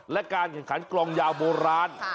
และการแข่งขันกลองยาวโบราณ